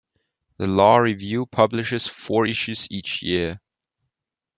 The law review publishes four issues each year.